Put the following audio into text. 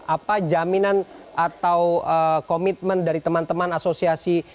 apa jaminan atau komitmen dari teman teman asosiasi